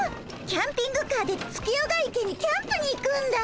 キャンピングカーで月夜が池にキャンプに行くんだ。